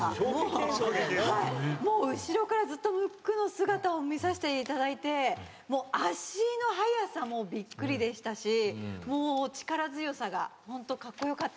もう後ろからずっとムックの姿を見させていただいて足の速さもびっくりでしたしもう力強さがホントカッコ良かった。